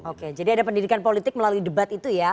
oke jadi ada pendidikan politik melalui debat itu ya